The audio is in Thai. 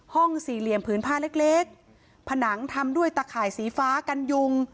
สี่เหลี่ยมผืนผ้าเล็กเล็กผนังทำด้วยตะข่ายสีฟ้ากันยุง